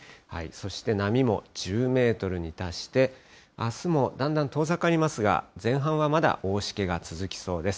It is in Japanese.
そして波も１０メートルに達して、あすもだんだん遠ざかりますが、前半はまだ大しけが続きそうです。